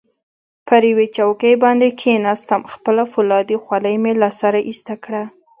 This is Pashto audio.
پر یوې چوکۍ باندې کښېناستم، خپله فولادي خولۍ مې له سره ایسته کړه.